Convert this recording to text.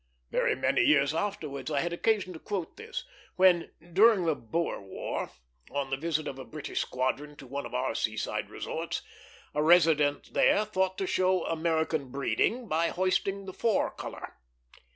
Very many years afterwards I had occasion to quote this, when, during the Boer War, on the visit of a British squadron to one of our seaside resorts, a resident there thought to show American breeding by hoisting the Four Color.